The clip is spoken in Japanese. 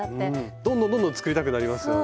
どんどんどんどん作りたくなりますよね。